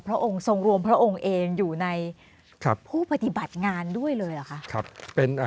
พระองค์ทรงรวมพระองค์เองอยู่ในผู้ปฏิบัติงานด้วยเลยเหรอคะ